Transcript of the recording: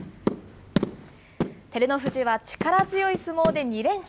照ノ富士は力強い相撲で２連勝。